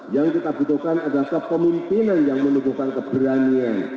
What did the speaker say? yang kita butuhkan adalah kepemimpinan yang menunjukkan keberanian